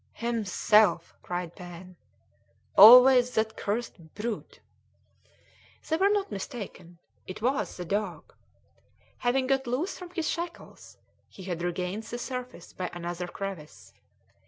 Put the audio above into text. "Himself!" cried Pen; "always that cursed brute." They were not mistaken it was the dog. Having got loose from his shackles, he had regained the surface by another crevice.